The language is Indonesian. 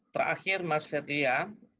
terakhir mas ferdia